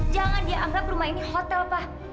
jangan dia anggap rumah ini hotel pak